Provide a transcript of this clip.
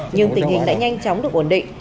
nhưng tình hình đã nhanh chóng được ổn định